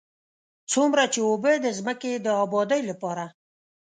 څومره چې اوبه د ځمکې د ابادۍ لپاره.